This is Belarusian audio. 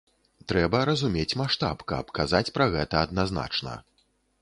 Трэба разумець маштаб, каб казаць пра гэта адназначна.